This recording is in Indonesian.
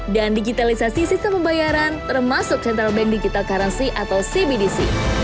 dan digitalisasi sistem pembayaran termasuk central bank digital currency atau cbdc